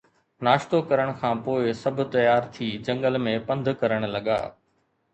ناشتو ڪرڻ کان پوءِ سڀ تيار ٿي جنگل ۾ پنڌ ڪرڻ لڳا